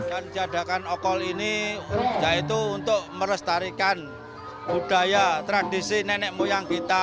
dan jadakan okol ini yaitu untuk merestarikan budaya tradisi nenek moyang kita